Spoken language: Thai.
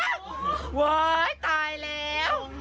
โอ้โฮตายแล้ว